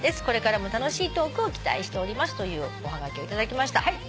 「これからも楽しいトークを期待しております」というおはがきを頂きました。